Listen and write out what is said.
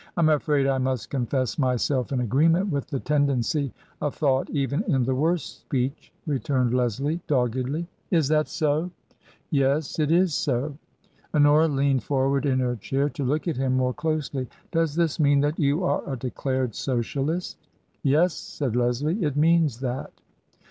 Fm afraid I must confess myself in agreement with the tendency of thought even in the worst speech," re turned Leslie, doggedly. " Is that so ?"" Yes ; it is so." Honora leaned forward in her chair to look at him more closely. " Does this mean that you are a declared Socialist ?"" Yes," said Leslie ;" it means that."